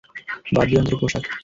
বাদ্যযন্ত্র, পোষাক।